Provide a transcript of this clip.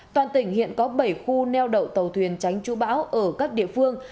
toàn tỉnh hiện có bảy khu neo đậu tàu thuyền tránh chú bão ở các địa phương